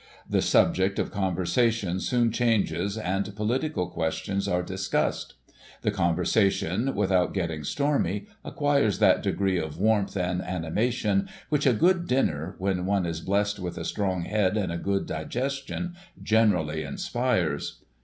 The subject of conversation soon changes, and political questions are discussed. The conver sation, without getting stormy, acquires that degree of warmth and animation, which a good dinner, when one is blessed with a strong head and a good digestion, generally inspires.